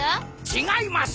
違います！